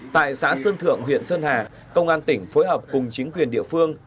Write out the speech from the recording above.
tại xã sơn thượng huyện sơn hà công an tỉnh phối hợp cùng chính quyền địa phương